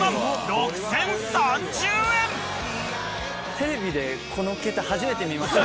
テレビでこの桁初めて見ました。